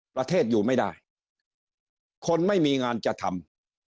ประเทศอยู่ไม่ได้คนไม่มีงานจะทำ